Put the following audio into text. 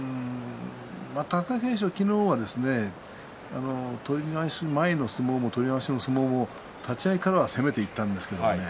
貴景勝、昨日は取り直す前の相撲も取り直しの相撲も立ち合いからは攻めていったんですけどね